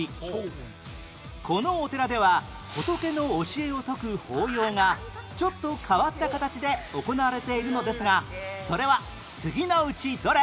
このお寺では仏の教えを説く法要がちょっと変わった形で行われているのですがそれは次のうちどれ？